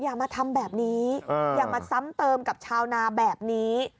อย่ามาทำแบบนี้อย่ามาซ้ำเติมกับชาวนาแบบนี้